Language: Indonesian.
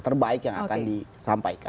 terbaik yang akan disampaikan